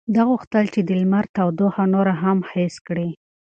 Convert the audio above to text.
ده غوښتل چې د لمر تودوخه نوره هم حس کړي.